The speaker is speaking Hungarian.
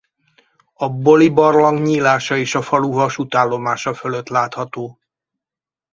A Boli-barlang nyílása is a falu vasútállomása fölött látható.